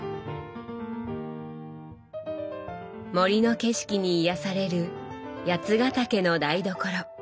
森の景色に癒やされる八ヶ岳の台所。